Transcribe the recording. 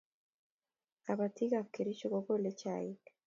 Kapatik ap kericho ko kolei chaik